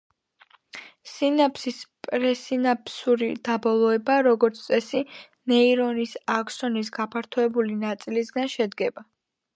სინაფსის პრესინაფსური დაბოლოება, როგორც წესი, ნეირონის აქსონის გაფართოებული ნაწილისგან შედგება.